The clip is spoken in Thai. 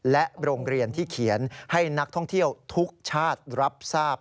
และโรงเรียนที่เขียนให้นักท่องเที่ยวทุกชาติรับทราบ